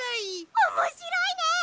おもしろいね！